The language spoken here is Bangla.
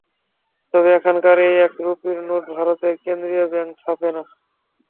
তবে এখনকার এই এক রুপির নোট ভারতের কেন্দ্রীয় ব্যাংক ছাপে না।